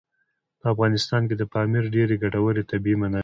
په افغانستان کې د پامیر ډېرې ګټورې طبعي منابع شته دي.